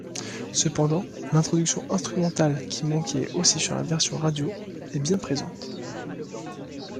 Cependant, l'introduction instrumentale qui manquait aussi sur la version radio, est bien présente.